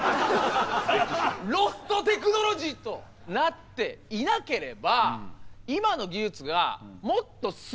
ロストテクノロジーとなっていなければ今の技術がもっと進んでたかもしれないですね。